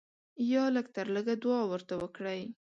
یا لږ تر لږه دعا ورته وکړئ.